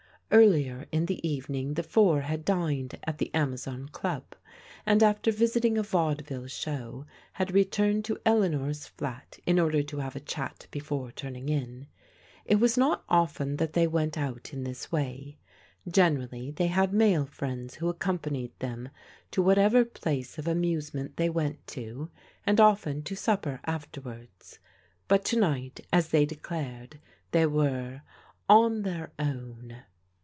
Earlier in the evening, the four had dined at the Amazon Club, and after visiting a vaudeville show, had returned to Eleanor's flat in order to have a chat before turning in. It was not often that they went out in this way. Generally they had male friends who ac companied them to whatever place of amusement they went to, and often to supper afterwards : but to night, as they declared, they were " on their own."